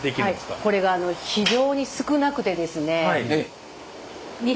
はいこれが非常に少なくてですねえっ？